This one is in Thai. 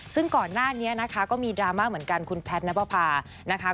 ซึ่งก่อนหน้านี้นะคะก็มีดราม่าเหมือนกันคุณแพทย์นับประพานะคะ